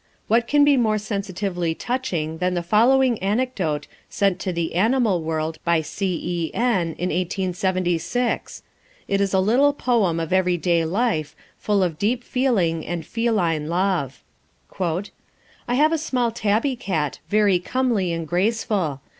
What can be more sensitively touching than the following anecdote, sent to The Animal World by C. E. N., in 1876? It is a little poem of everyday life, full of deep feeling and feline love. "I have a small tabby cat, very comely and graceful.